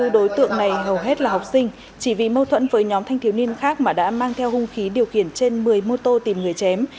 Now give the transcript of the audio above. hai mươi đối tượng này hầu hết là học sinh chỉ vì mâu thuẫn với nhóm thanh thiếu niên khác mà đã mang theo hung khí điều kiển trên một mươi mô tô tìm người chém